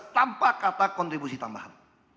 tanpa kata kontribusi tambahan